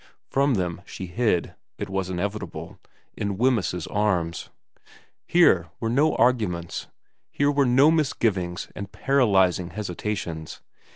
From them she hid it was inevitable in Wemyss's arms. Here were no arguments ; here were no misgivings and paralysing hesitations.